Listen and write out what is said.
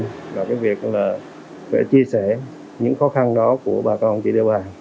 chúng tôi rất cảm ơn các bạn đã theo dõi và chia sẻ những khó khăn đó của bà con địa bàn